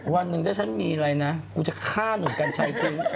วันนึงถ้าฉันมีอะไรนะกูจะฆ่าหนุ่มกันใช้ตี